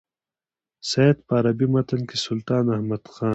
سید په عربي متن کې سلطان احمد خان.